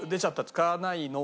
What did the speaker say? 「使わないの？」